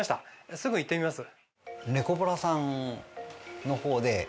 すぐ行ってみます。